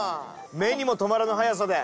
目にも留まらぬ速さで。